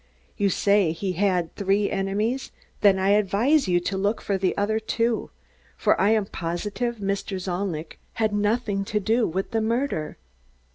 You say he had three enemies; then I advise you to look for the other two, for I am positive Mr. Zalnitch had nothing to do with the murder."